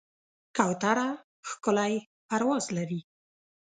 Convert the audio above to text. کوتره ښکلی پرواز لري.